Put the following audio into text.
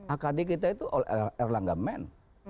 akd kita itu erlangga men